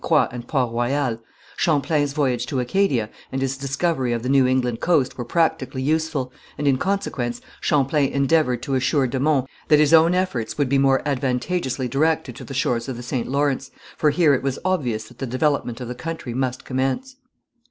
Croix and Port Royal, Champlain's voyage to Acadia and his discovery of the New England coast were practically useful, and in consequence Champlain endeavoured to assure de Monts that his own efforts would be more advantageously directed to the shores of the St. Lawrence, for here it was obvious that the development of the country must commence.